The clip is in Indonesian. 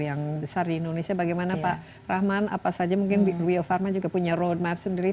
pasar di indonesia bagaimana pak rahman apa saja mungkin biofarma juga punya roadmap sendiri